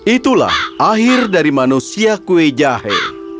itulah akhir dari manusia kue jahe